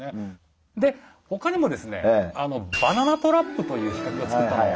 でほかにもですねバナナトラップという仕掛けを作った。